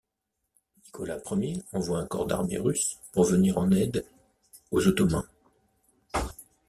Nicolas I envoie un corps d'armée russe pour venir en aide aux Ottomans.